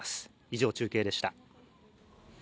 以上、中継でした。